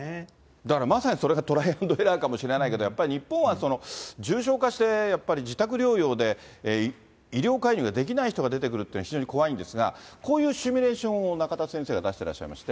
だからまさにそれがトライ＆エラーかもしれないけど、やっぱり日本は重症化して、やっぱり自宅療養で、医療介入ができない人が出てくるって非常に怖いんですが、こういうシミュレーションを仲田先生が出してらっしゃいまして。